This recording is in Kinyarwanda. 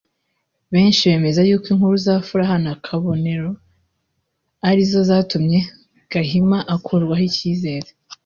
Benshi bemeza yuko inkuru za Furaha na Kabonero arizo zatumye Gahima akurwaho icyizere